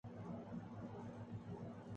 وقت نِدا ہے اضطراب میں ہوں کہ جان کس کو دوں غالب